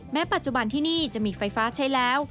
ปัจจุบันที่นี่จะมีไฟฟ้าใช้แล้ว